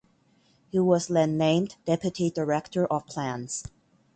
He was then named deputy director of plans.